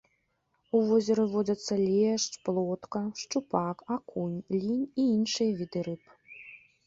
У возеры водзяцца лешч, плотка, шчупак, акунь, лінь і іншыя віды рыб.